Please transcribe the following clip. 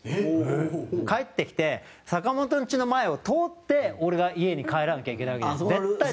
帰ってきて坂本んちの前を通って俺が家に帰らなきゃいけないわけですね。